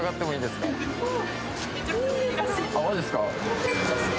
マジっすか？